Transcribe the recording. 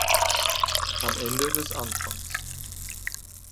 Am Ende des Anfangs.